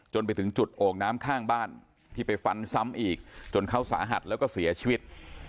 ไปถึงจุดโอ่งน้ำข้างบ้านที่ไปฟันซ้ำอีกจนเขาสาหัสแล้วก็เสียชีวิต